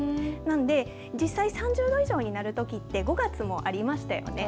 実際３０度以上になるときって５月もありましたよね。